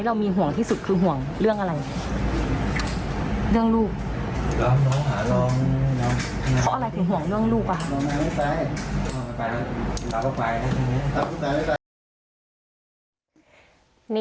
เพราะอะไรคือห่วงเรื่องลูก